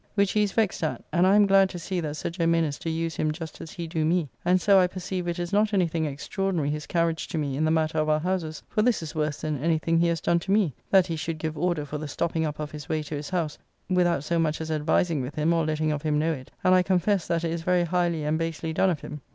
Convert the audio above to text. Which he is vexed at, and I am glad to see that Sir J. Minnes do use him just as he do me, and so I perceive it is not anything extraordinary his carriage to me in the matter of our houses, for this is worse than anything he has done to me, that he should give order for the stopping up of his way to his house without so much as advising with him or letting of him know it, and I confess that it is very highly and basely done of him.